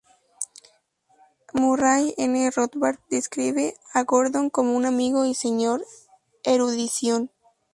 Murray N. Rothbard describe a Gordon como un amigo y "Señor Erudición.